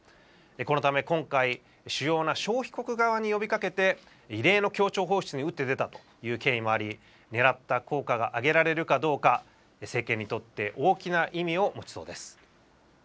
このため今回、主要な消費国側に呼びかけて、異例の協調放出に打って出たという経緯もあり、ねらった効果が上げられるかどうか、政権にとって大きな意味を持ちそうです。